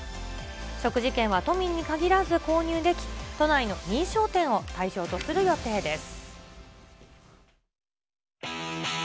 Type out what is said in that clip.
食事券は都民に限らず購入でき、都内の認証店を対象とする予定です。